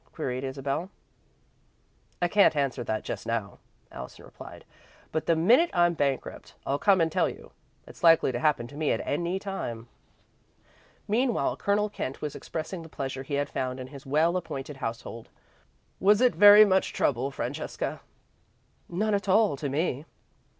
queried Isabel. "I can't answer just now," Allison replied, "but the minute I'm bankrupt, I'll come and tell you. It's likely to happen to me at any time." Meanwhile Colonel Kent was expressing the pleasure he had found in his well appointed household. "Was it very much trouble, Francesca?" "None at all to me."